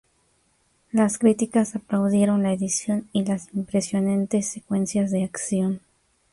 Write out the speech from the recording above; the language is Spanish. Las críticas aplaudieron la edición y las impresionantes secuencias de acción.